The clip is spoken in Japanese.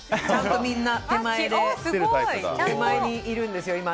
ちゃんとみんな手前にいるんですよ。